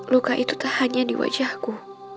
luka itu tak hanya di wajahku